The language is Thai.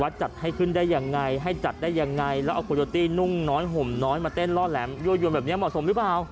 วัชดิ์จัดให้ขึ้นได้ยังไงให้จัดได้ยังไงแล้วจะไปเอาขุนยทินุ่งน้อยห่มน้อยมาเต้นเลอะแหลมวงเหยวอวงแบบนี้เหมาะสมรึเปล่า